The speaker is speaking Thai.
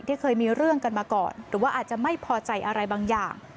เคยมีเรื่องกันมาก่อนหรือว่าอาจจะไม่พอใจอะไรบางอย่าง